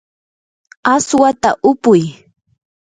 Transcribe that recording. aswata upuy.